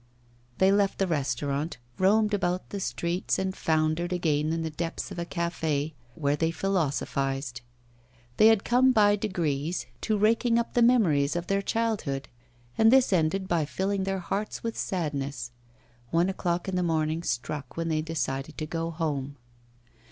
They left the restaurant, roamed about the streets, and foundered again in the depths of a café, where they philosophised. They had come by degrees to raking up the memories of their childhood, and this ended by filling their hearts with sadness. One o'clock in the morning struck when they decided to go home.